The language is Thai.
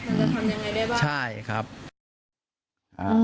มันจะทำอย่างไรได้บ้าง